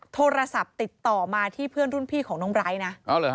โทรศัพท์ติดต่อมาที่เพื่อนรุ่นพี่ของน้องไร้นะ